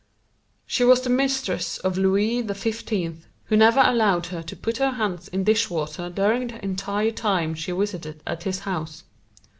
She was the mistress of Louis XV, who never allowed her to put her hands in dishwater during the entire time she visited at his house.